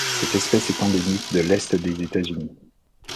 Cette espèce est endémique de l'Est des États-Unis.